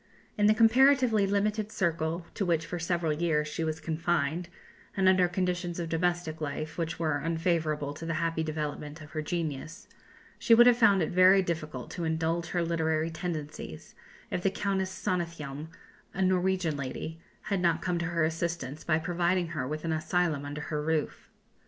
In the comparatively limited circle to which for several years she was confined, and under conditions of domestic life which were unfavourable to the happy development of her genius, she would have found it very difficult to indulge her literary tendencies, if the Countess Sonnethjelm, a Norwegian lady, had not come to her assistance by providing her with an asylum under her roof.